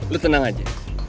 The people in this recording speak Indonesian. lo tenang aja